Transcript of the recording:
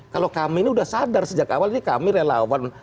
kalau kami ini sudah sadar sejak awal ini kami relawan